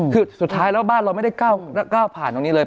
คือสุดท้ายแล้วบ้านเราไม่ได้ก้าวผ่านตรงนี้เลย